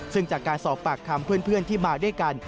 ซึ่งจากการสอบปากคำเพื่อนที่มาด้วยกัน